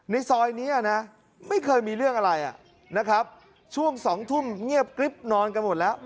ในซอยนี้นะไม่เคยมีเรื่องอะไรนะครับช่วง๒ทุ่มเงียบกริ๊บนอนกันหมดแล้ว